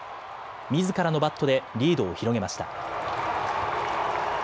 みずからのバットでリードを広げました。